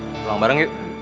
nah pulang bareng yuk